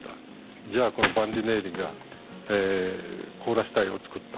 じゃあこのバンディネッリがコーラス隊を作った。